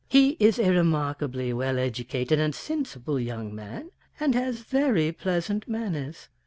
"He is a remarkably well educated and sensible young man, and has very pleasant manners.